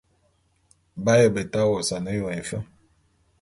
B'aye beta wosane éyon éfe.